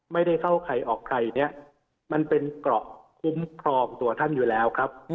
ไม่ได้เข้าใครออกใครเนี่ยมันเป็นเกราะคุ้มครองตัวท่านอยู่แล้วครับ